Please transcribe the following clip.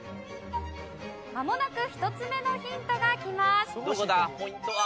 まもなく１つ目のヒントがきます。